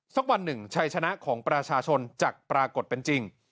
สักวันหนึ่งชัยชนะของประชาชนจะปรากฏเป็นจริง